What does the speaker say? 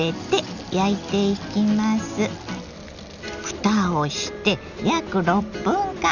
ふたをして約６分間。